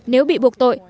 nếu bị buộc tội